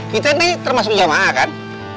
kita ini termasuk jamaah kan